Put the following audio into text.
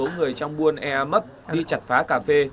người trong buôn eapok đi chặt phá cà phê